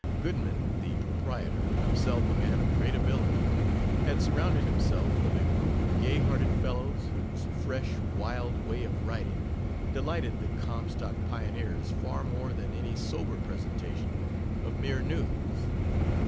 Goodman, the proprietor, himself a man of great ability, had surrounded himself with a group of gay hearted fellows, whose fresh, wild way of writing delighted the Comstock pioneers far more than any sober presentation of mere news.